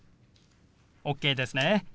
ＯＫですね？